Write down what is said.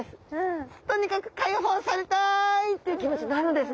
とにかく解放されたいっていう気持ちになるんですね。